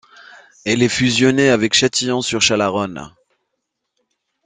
Elle est fusionnée avec Châtillon-sur-Chalaronne.